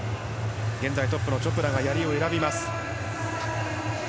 現在、トップのチョプラがやりを選びます。